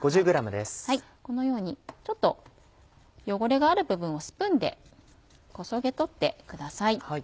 このようにちょっと汚れがある部分をスプーンでこそげ取ってください。